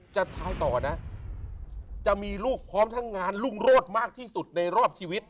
จะมีลูกพร้อมทางงานรุงโรศมากที่สุดในรอบชีวิต